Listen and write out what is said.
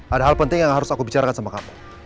ada hal penting yang harus aku bicarakan sama kamu